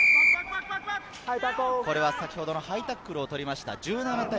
先ほどのハイタックルを取りました。